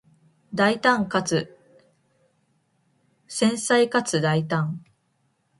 繊細かつ大胆